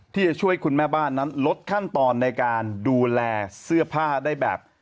ที่จะช่วยคุณแม่บ้านนั้นลดขั้นตอนในการดูแลเสื้อผ้าได้แบบ